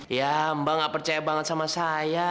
ya mbak gak percaya banget sama saya